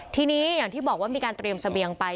ทีนี้อย่างที่บอกว่ามีการเตรียมเสบียงไป